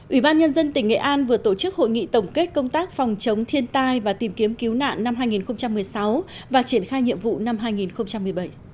ủy ban nhân dân tỉnh nghệ an vừa tổ chức hội nghị tổng kết công tác phòng chống thiên tai và tìm kiếm cứu nạn năm hai nghìn một mươi sáu và triển khai nhiệm vụ năm hai nghìn một mươi bảy